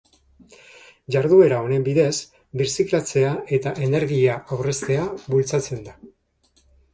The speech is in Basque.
Jarduera honen bidez, birziklatzea eta energia aurreztea bultzatzen da.